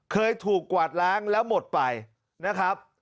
เคยถูกกวาดล้างแล้วหมดไปนะครับ